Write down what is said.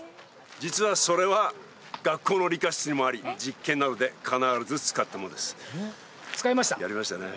実はそれは学校の理科室にもあり実験などで必ず使ったものです使いましたやりましたね